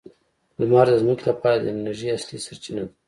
لمر د ځمکې لپاره د انرژۍ اصلي سرچینه ده.